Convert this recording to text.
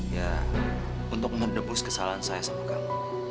ya untuk mendebus kesalahan saya sama kamu